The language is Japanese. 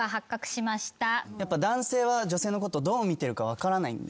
やっぱ男性は女性のことどう見てるか分からないんで。